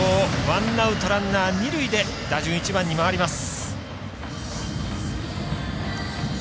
ワンアウト、ランナー、二塁で打順１番に回ります。